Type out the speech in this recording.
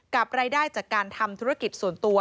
รายได้จากการทำธุรกิจส่วนตัว